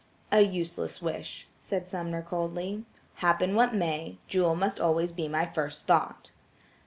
"A useless wish," said Sumner coldly. "Happen what may, Jewel must always be my first thought."